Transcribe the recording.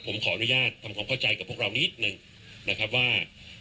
ผมขออนุญาตทำความเข้าใจกับพวกเรานิดหนึ่งนะครับว่า